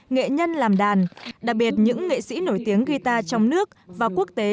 nghệ nhân làm đàn đặc biệt những nghệ sĩ nổi tiếng guitar trong nước và quốc tế